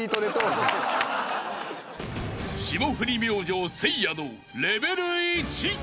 ［霜降り明星せいやのレベル１］